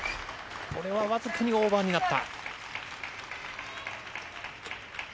これは僅かにオーバーになった。